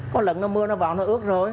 có lần nó mưa nó vào nó ướt rồi